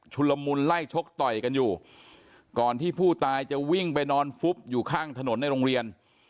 ละมุนไล่ชกต่อยกันอยู่ก่อนที่ผู้ตายจะวิ่งไปนอนฟุบอยู่ข้างถนนในโรงเรียน